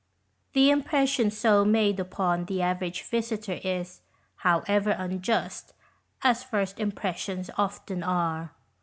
The impression so made upon the average visitor is, however, unjust, as first impressions often are.